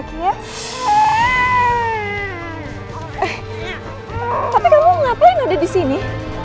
tapi kamu ngapain ada disini